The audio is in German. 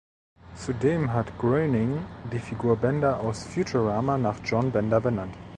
Zudem hat Groening die Figur Bender aus "Futurama" nach John Bender benannt.